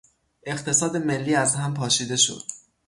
اقتصاد ملی از همپاشیده شد.